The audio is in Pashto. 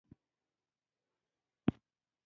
احمد وويل: لمرونه او هوا کمال دي.